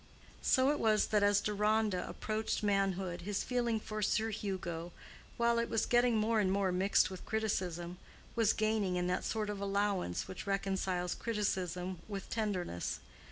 So it was that as Deronda approached manhood his feeling for Sir Hugo, while it was getting more and more mixed with criticism, was gaining in that sort of allowance which reconciles criticism with tenderness.